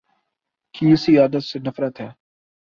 کی اسی عادت سے نفرت ہے